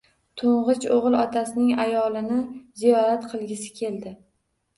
Toʻngʻich oʻgʻil otasining ayolini ziyorat qilgisi keldi.